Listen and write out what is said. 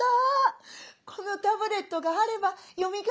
このタブレットがあれば読み書きができる！